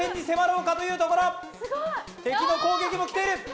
敵の攻撃も来ている！